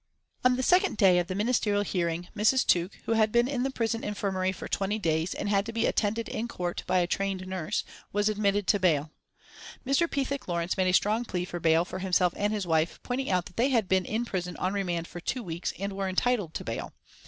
On the second day of the Ministerial hearing, Mrs. Tuke, who had been in the prison infirmary for twenty days and had to be attended in court by a trained nurse, was admitted to bail. Mr. Pethick Lawrence made a strong plea for bail for himself and his wife, pointing out that they had been in prison on remand for two weeks and were entitled to bail.